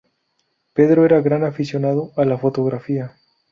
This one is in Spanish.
Pedro era gran aficionado a la fotografía.